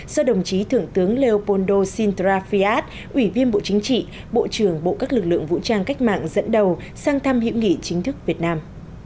do đồng chí thưởng tướng leopoldo sintra fiat ủy viên bộ chính trị bộ trưởng bộ các lực lượng vũ trang cách mạng dẫn đầu sang thăm hiệu nghị chính thức việt nam